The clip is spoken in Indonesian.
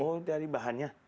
oh dari bahannya